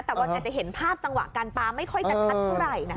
แต่วันอาจจะเห็นภาพจังหวะการปลาไม่ค่อยจะชัดเท่าไหร่นะคะ